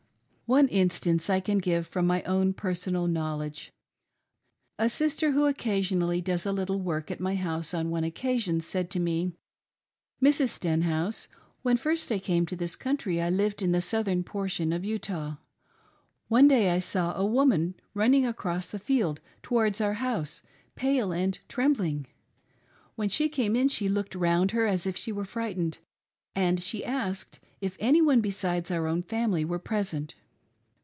One instance I can give from my own personal knowledge. A sister who occasionally does a little work at my house on one occasion said to me :" Mrs. Stenhouse, when first I came to this country I lived in the southern portion of Utah. One day I saw a woman running across the fields towards our house, pale and trembling. When she came in she looked round her as if she were frightened, and she asked if any one besides our own family were present.